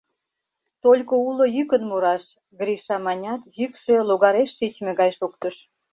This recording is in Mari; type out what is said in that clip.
— Только уло йӱкын мураш, — Гриша манят, йӱкшӧ логареш шичме гай шоктыш.